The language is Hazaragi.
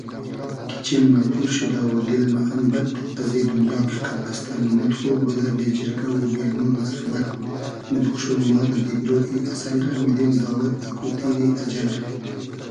کی چیم مۂ پور شودۂ و دیل مۂ ام بئد ازی دونیا کی قئد بئستۂ نومود خو بودۂ بې جیرگۂ و بې نور و اغبئد موبوخشوم ما دۂ دیگرۉ ای اسئل رۂ میدیم داوئد اکو تیری اجئل رۂ